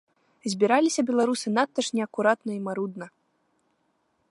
Збіраліся беларусы надта ж неакуратна і марудна.